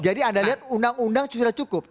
anda lihat undang undang sudah cukup